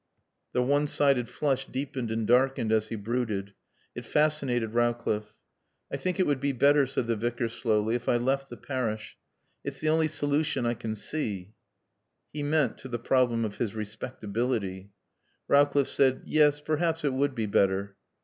The one sided flush deepened and darkened as he brooded. It fascinated Rowcliffe. "I think it would be better," said the Vicar slowly, "if I left the parish. It's the only solution I can see." He meant to the problem of his respectability. Rowcliffe said yes, perhaps it would be better.